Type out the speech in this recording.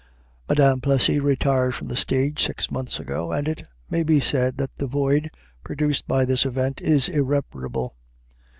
Madame Plessy retired from the stage six months ago and it may be said that the void produced by this event is irreparable.